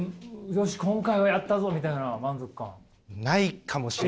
よし今回はやったぞみたいな満足感。